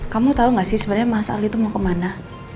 kamu tahu nggak sih sebenarnya mas aldi itu mau kemana